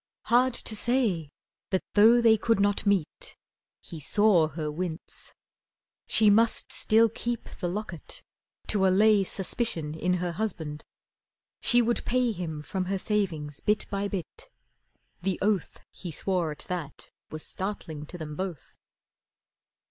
Hard to say That though they could not meet (he saw her wince) She still must keep the locket to allay Suspicion in her husband. She would pay Him from her savings bit by bit the oath He swore at that was startling to them both.